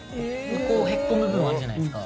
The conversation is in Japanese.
ここへっこむ部分あるじゃないですか。